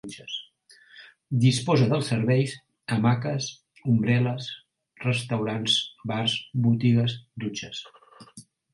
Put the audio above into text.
Disposa dels serveis: hamaques, ombrel·les, restaurants, bars, botiges, dutxes.